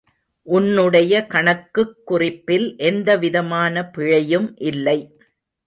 உன்னுடைய கணக்குக் குறிப்பில் எந்தவிதமான பிழையும் இல்லை.